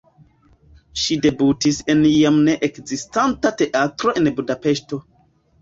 Ŝi debutis en jam ne ekzistanta teatro en Budapeŝto.